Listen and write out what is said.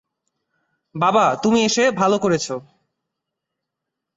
বাবা তুমি এসে ভালো করেছ।